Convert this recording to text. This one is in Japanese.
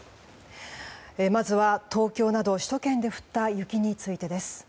まずは東京など首都圏で降った雪についてです。